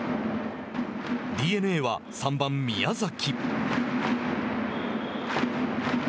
ＤｅＮＡは、３番宮崎。